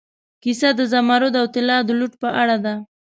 کیسه د زمرد او طلا د لوټ په اړه ده.